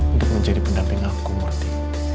untuk menjadi pendamping aku murti